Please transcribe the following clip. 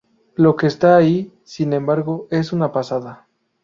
Lo que está ahí, sin embargo, es una pasada".